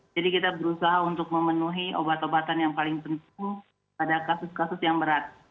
jadi kita berusaha untuk memenuhi obat obatan yang paling penting pada kasus kasus yang berat